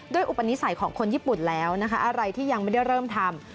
อุปนิสัยของคนญี่ปุ่นแล้วนะคะอะไรที่ยังไม่ได้เริ่มทำ